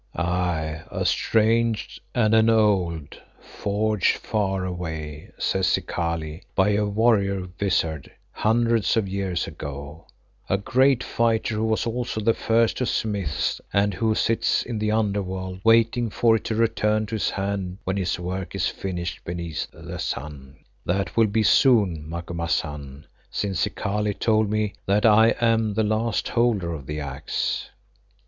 "Aye, a strange and an old, forged far away, says Zikali, by a warrior wizard hundreds of years ago, a great fighter who was also the first of smiths and who sits in the Under world waiting for it to return to his hand when its work is finished beneath the sun. That will be soon, Macumazahn, since Zikali told me that I am the last Holder of the Axe."